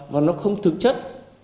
và nó không thực chất